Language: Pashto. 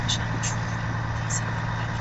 ولي محنتي ځوان د تکړه سړي په پرتله هدف ترلاسه کوي؟